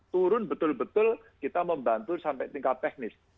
turun betul betul kita membantu sampai tingkat teknis